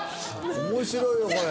面白いよこれ。